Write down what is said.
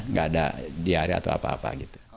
nggak ada diare atau apa apa gitu